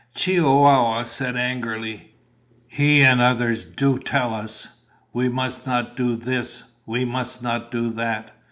Chihuahua said angrily, "He and others do tell us! We must not do this, we must not do that!